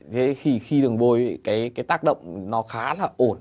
thế thì khi đường bôi cái tác động nó khá là ổn